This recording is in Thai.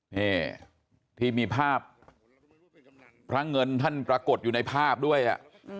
นี่ที่มีภาพพระเงินท่านปรากฏอยู่ในภาพด้วยอ่ะ